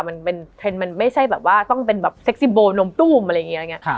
มันเป็นเทรนด์มันไม่ใช่แบบว่าต้องเป็นแบบนมตู้มอะไรอย่างเงี้ยค่ะ